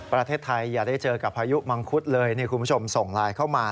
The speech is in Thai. ประเทศไทยอย่าได้เจอกับพายุมังคุดเลยนี่คุณผู้ชมส่งไลน์เข้ามา